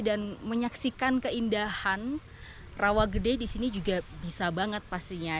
dan menyaksikan keindahan rawagede di sini juga bisa banget pastinya